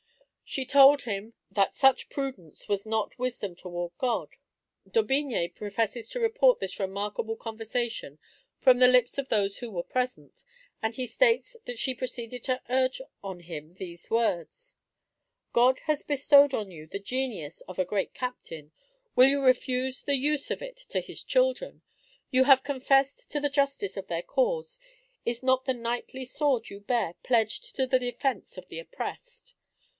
She told him that such prudence was not wisdom toward God. D'Aubigné professes to report this remarkable conversation from the lips of those who were present; and he states that she proceeded to urge on him these words: "God has bestowed on you the genius of a great captain will you refuse the use of it to his children? You have confessed to the justice of their cause is not the knightly sword you bear pledged to the defence of the oppressed?